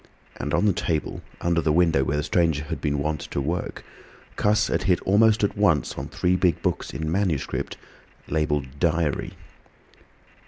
And on the table under the window where the stranger had been wont to work, Cuss had hit almost at once on three big books in manuscript labelled "Diary."